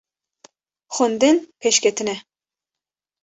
xwendin pêşketin e